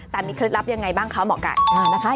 แต่มีเคล็ดลับยังไงบ้างคะหมอไก่นะคะ